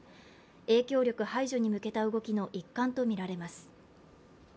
影響力排除に向けた動きの一環とみられます。